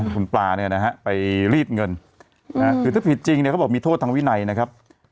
คุณปลาไปรีบเงินถ้าผิดจริงก็บอกมีโทษทางวินัยนะครับ